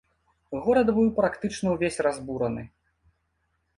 Горад быў практычна ўвесь разбураны.